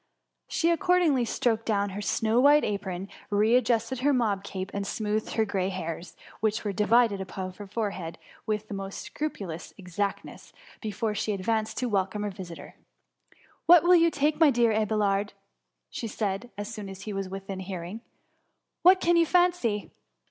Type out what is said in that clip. She accordingly stroked down her snow white apron, re adjusted her mob cap, and smoothed her grey hairs, which were di vided upon her forehead, with the most scrupu lous exactness, before she advanced to welcome her visitors. What will you take, my dear Mr. Abelard?*^ said she, as soon as he was within hearing ;^^ what can you fancy